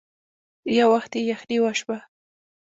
يو وخت يې يخنې وشوه.